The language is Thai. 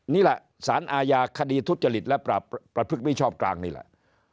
นี่แหละสารอาญาคดีทุจริตและประพฤติมิชอบกลางนี่แหละ